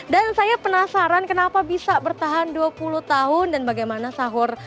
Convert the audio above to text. dan saya penasaran kenapa bisa bertahan dua puluh tahun dan bagaimana sahur